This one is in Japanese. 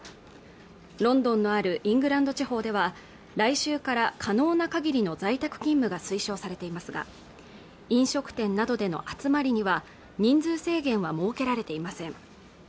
ロンドンのあるイングランド地方では来週から可能な限りの在宅勤務が推奨されていますが飲食店などでの集まりには人数制限は設けられていません